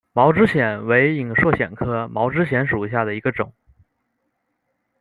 毛枝藓为隐蒴藓科毛枝藓属下的一个种。